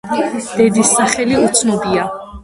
დედის სახელი უცნობია.